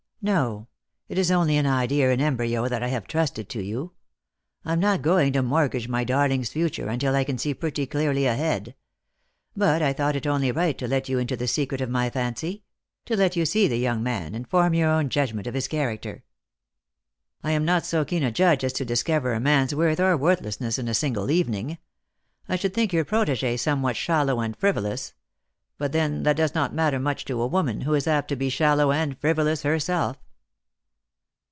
No, it is only an idea in embryo that I have trusted to you. I am not going to mortgage my darling's future until I can see pretty clearly ahead. But I thought it only right to let you into the secret of my fancy ; to let you see the young man, and form your own judgment of his character." " I am not so keen a judge as to discover a man's worth or worthlessness in a single evening I should think your protege somewhat shallow and frivolous ; but then that does not matter much to a woman, who is apt to be shallow and frivolous her self."